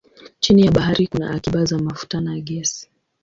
Chini ya bahari kuna akiba za mafuta na gesi.